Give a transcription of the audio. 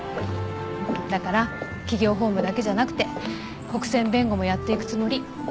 だから企業法務だけじゃなくて国選弁護もやっていくつもり。